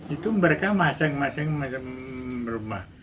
itu mereka masing masing macam rumah